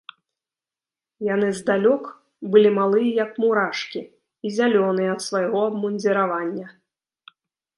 Яны здалёк былі малыя, як мурашкі, і зялёныя ад свайго абмундзіравання.